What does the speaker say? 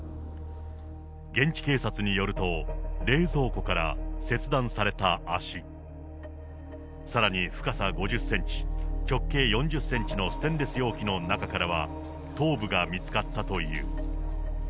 現地警察によると、冷蔵庫から切断された脚、さらに深さ５０センチ、直径４０センチのステンレス容器の中から頭部が見つかったという。